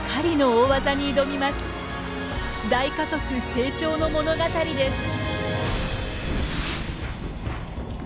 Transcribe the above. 大家族成長の物語です。